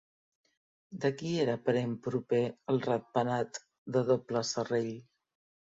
De qui era parent proper el ratpenat de doble serrell?